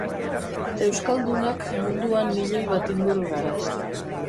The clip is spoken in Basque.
Euskaldunak munduan milioi bat inguru gara.